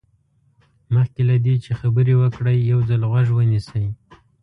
مخکې له دې چې خبرې وکړئ یو ځل غوږ ونیسئ.